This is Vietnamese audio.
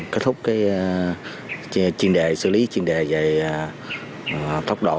kết thúc xử lý chuyên đề về tốc độ